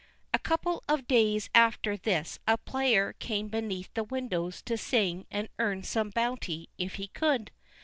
A couple of days after this a player came beneath the windows to sing and earn some bounty if he could.